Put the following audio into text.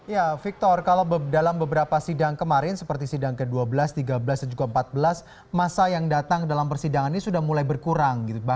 ya victor kalau dalam beberapa sidang kemarin seperti sidang ke dua belas tiga belas dan juga ke empat belas masa yang datang dalam persidangan ini sudah mulai berkurang